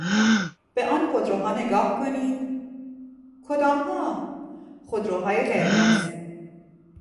به آن خودروها نگاه کنید. کدامها؟ خودروهای قرمز.